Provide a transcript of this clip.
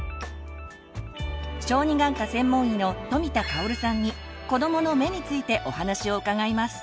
小児眼科専門医の富田香さんに「子どもの目」についてお話を伺います。